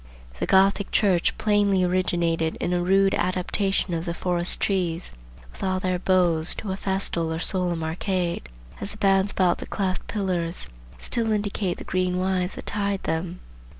The Gothic church plainly originated in a rude adaptation of the forest trees, with all their boughs, to a festal or solemn arcade; as the bands about the cleft pillars still indicate the green withes that tied them.